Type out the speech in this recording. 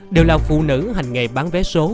đều là phụ nữ hành nghề bán vé số